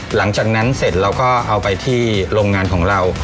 หลังจากนั้นเสร็จเราก็เอาไปที่โรงงานของเรา